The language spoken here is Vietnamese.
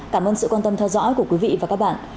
cảm ơn sự quan tâm theo dõi của quý vị và các bạn